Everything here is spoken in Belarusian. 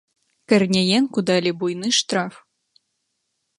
Карняенку далі буйны штраф.